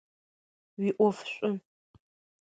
Уиӏоф шӏу!